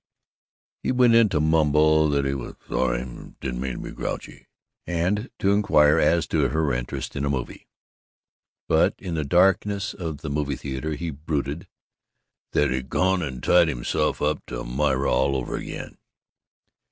He went in to mumble that he was "sorry, didn't mean to be grouchy," and to inquire as to her interest in movies. But in the darkness of the movie theater he brooded that he'd "gone and tied himself up to Myra all over again."